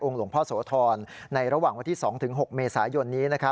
หลวงพ่อโสธรในระหว่างวันที่๒๖เมษายนนี้